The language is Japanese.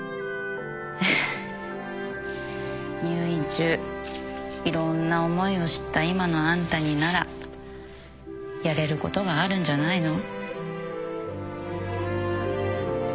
入院中いろんな思いを知った今のあんたにならやれることがあるんじゃないの？